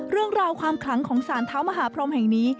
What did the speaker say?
เรื่องราวความขลังของสารเท้ามหาพรมแห่งนี้